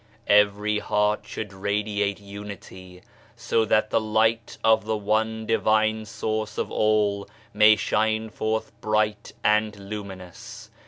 Every heart should radiate Unity, so that the Light of the one Divine Source of all may shine forth bright and luminous.